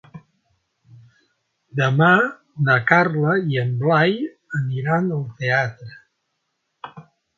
Demà na Carla i en Blai aniran al teatre.